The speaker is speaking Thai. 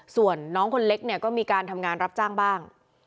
ส่วนน้องคนเล็กเนี่ยก็มีการทำงานรับจ้างบ้าง